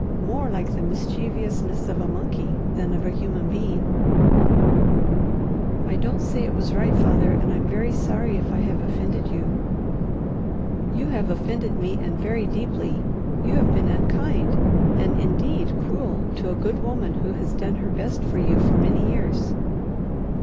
more like the mischievousness of a monkey than of a human being!" "I don't say it was right, father; and I'm very sorry if I have offended you." "You have offended me, and very deeply. You have been unkind and indeed cruel to a good woman who has done her best for you for many years!"